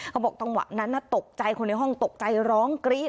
เขาบอกจังหวะนั้นตกใจคนในห้องตกใจร้องกรี๊ด